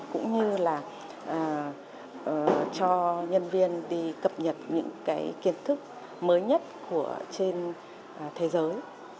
cũng như là cho nhân viên đi cập nhật những cái kiến thức mới nhất trên thế giới